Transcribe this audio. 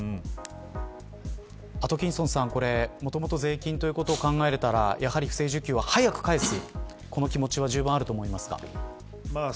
アトキンソンさん元々税金ということを考えたらやはり、不正受給は早く返せこの気持ちは、じゅうぶんあると思いますか。